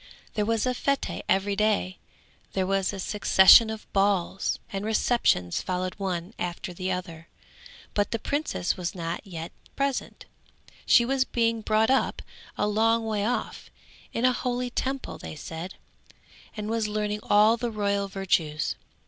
There was a fête every day, there was a succession of balls, and receptions followed one after the other, but the princess was not yet present; she was being brought up a long way off, in a holy Temple they said, and was learning all the royal virtues.